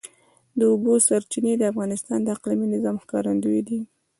د اوبو سرچینې د افغانستان د اقلیمي نظام ښکارندوی ده.